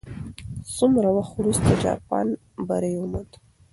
څومره وخت وروسته جاپان بری وموند؟